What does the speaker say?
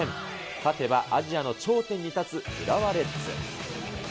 勝てばアジアの頂点に立つ浦和レッズ。